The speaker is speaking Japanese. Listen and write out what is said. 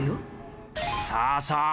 さあさあ